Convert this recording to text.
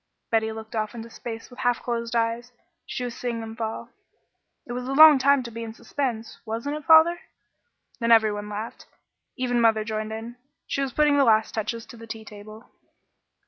'" Betty looked off into space with half closed eyes. She was seeing them fall. "It was a long time to be in suspense, wasn't it, father?" Then every one laughed. Even mother joined in. She was putting the last touches to the tea table.